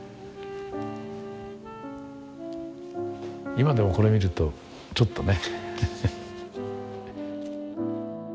今でもこれ見るとちょっとね。